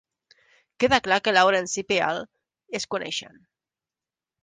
Queda clar que Lawrence i Peale es coneixien.